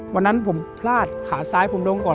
วันนั้นผมพลาดขาซ้ายผมลงก่อน